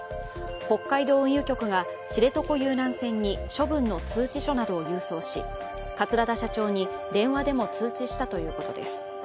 北海道運輸局が知床遊覧船に処分の通知書などを郵送し桂田社長に電話でも通知したということです。